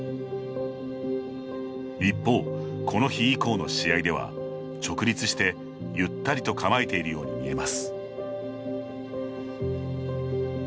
一方、この日以降の試合では直立してゆったりと構えているように見えます。